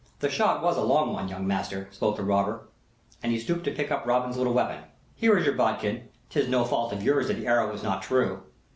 "The shot was a long one, young master," spoke the robber, and he stooped to pick up Robin's little weapon. "Here is your bodkin 'tis no fault of yours that the arrow was not true."